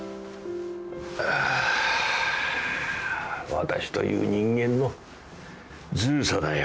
私という人間のずるさだよ。